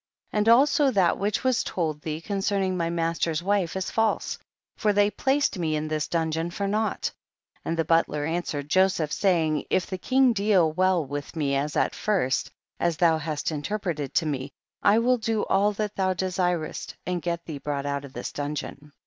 1 1 . And also that which was told thee concerning my master's wife is false, for they placed me in this dun geon for naught ; and the butler an swered Joseph, saying, if the king deal well with me as at first, as thou hast interpreted to me, I will do all that thou desirest, and get thee brought out of this dungeon.